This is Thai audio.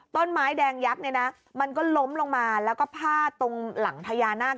ต้นไม้แดงยักษ์เนี่ยนะมันก็ล้มลงมาแล้วก็พาดตรงหลังพญานาค